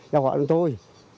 giao gọi chúng tôi